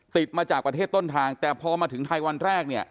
ติดมาจากประเทศต้นทางแต่พอมาถึงไทยวันแรก